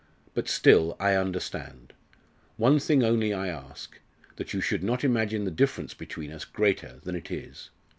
But still I understand. One thing only I ask that you should not imagine the difference between us greater than it is.